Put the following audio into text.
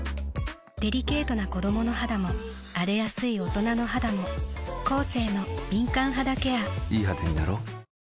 デリケートな子どもの肌も荒れやすい大人の肌もコーセーの「敏感肌ケア」いい肌になろう。